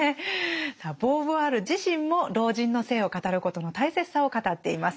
さあボーヴォワール自身も老人の性を語ることの大切さを語っています。